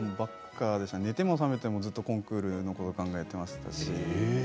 寝ても覚めてもずっとコンクールのことを考えていましたし